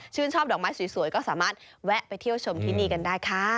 ชอบดอกไม้สวยก็สามารถแวะไปเที่ยวชมที่นี่กันได้ค่ะ